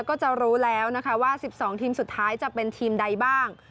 ก็จะรู้แล้วนะคะว่า๑๒ทีมสุดท้ายจะเป็นทีมใดบ้าง